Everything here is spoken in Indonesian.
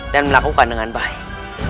dan melakukan dengan baik